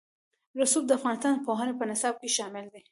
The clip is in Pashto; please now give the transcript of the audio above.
رسوب د افغانستان د پوهنې په نصاب کې شامل دي.